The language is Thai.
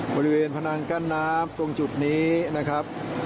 บริเวณพนังกั้นน้ำตรงจุดนี้นะครับ